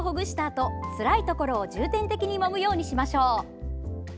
あとつらいところを重点的にもむようにしましょう。